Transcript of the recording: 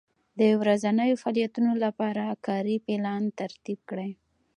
د ورځنیو فعالیتونو لپاره کاري پلان ترتیب کړئ.